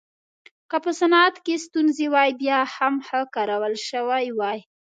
که په صنعت کې ستونزې وای بیا هم ښه کارول شوې وای